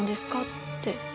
って。